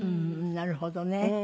なるほどね。